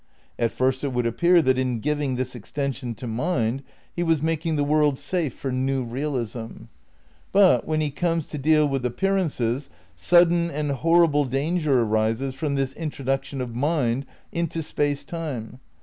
At first it would appear that in giving this extension to mind he was making the world safe for new realism. But, when he comes to deal with ap pearances, sudden and horrible danger arises from this introduction of mind into space time.